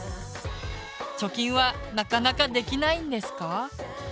貯金はなかなかできないんですか？